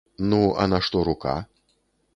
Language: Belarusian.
Ну, а на што рука?